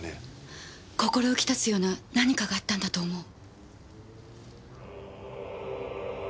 心浮き立つような何かがあったんだと思う。